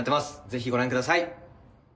ぜひご覧ください